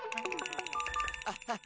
アハハ！